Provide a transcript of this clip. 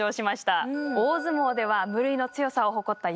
大相撲では無類の強さを誇った横綱大鵬。